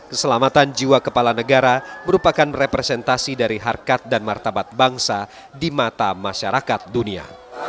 keselamatan jiwa kepala negara merupakan representasi dari harkat dan martabat bangsa di mata masyarakat dunia